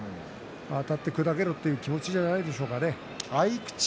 あたって砕けろという気持ちじゃないでしょうかね。